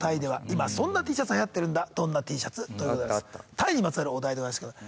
タイにまつわるお題でございますけど。